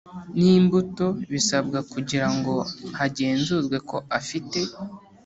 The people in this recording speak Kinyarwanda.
N imbuto bisabwa kugira ngo hagenzurwe ko afite